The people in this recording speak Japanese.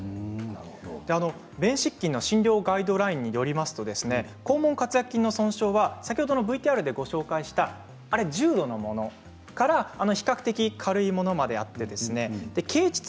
便失禁の診療ガイドラインによると肛門括約筋の損傷は先ほどＶＴＲでご紹介した重度のものから比較的、軽いものまであって経ちつ